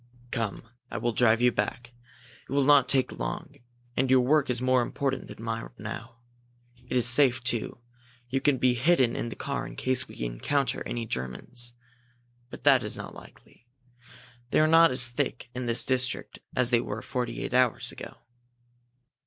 "Come, I will drive you back. It will not take long, and your work is more important than mine now. It is safe, too. You can be hidden in the car in case we encounter any Germans. But that is not likely. They are not as thick in this district as they were forty eight hours ago."